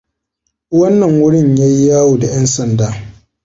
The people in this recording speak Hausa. Wannan wurin yayi yawo da 'yan sanda.